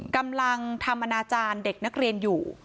กำลังทำอนาจารย์เด็กนักเรียนอยู่